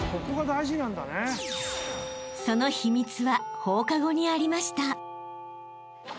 ［その秘密は放課後にありました］